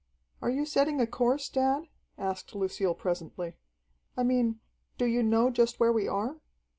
"Are you setting a course, dad?" asked Lucille presently. "I mean, do you know just where we are?"